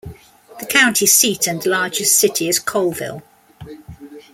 The county seat and largest city is Colville.